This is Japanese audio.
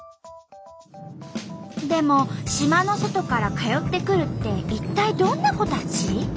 でも島の外から通ってくるって一体どんな子たち？